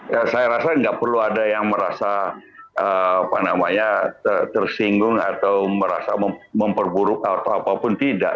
ya saya rasa nggak perlu ada yang merasa tersinggung atau merasa memperburuk atau apapun tidak